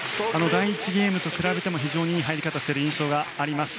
第１ゲームと比べてもいい入り方をしている印象があります。